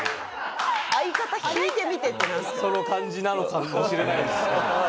その感じなのかもしれないです。